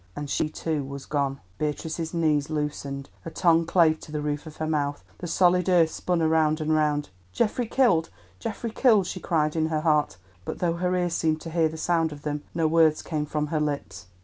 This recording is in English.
And she too was gone. Beatrice's knees loosened, her tongue clave to the roof of her mouth; the solid earth spun round and round. "Geoffrey killed! Geoffrey killed!" she cried in her heart; but though her ears seemed to hear the sound of them, no words came from her lips.